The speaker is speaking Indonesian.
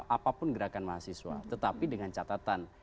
apapun gerakan mahasiswa tetapi dengan catatan